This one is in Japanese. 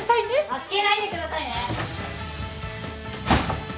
助けないでくださいね！